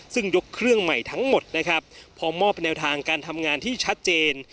ซึ่งยกเครื่องใหม่ทั้งหมดนะครับพอมอบแนวทางการทำงานที่ชัดเจน